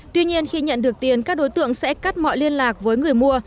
tuy nhiên khi nhận được tiền các đối tượng sẽ cắt mọi liên lạc với người mua